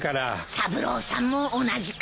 三郎さんも同じか。